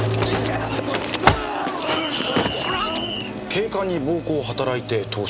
警官に暴行を働いて逃走。